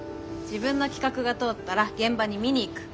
自分の企画が通ったら現場に見に行く。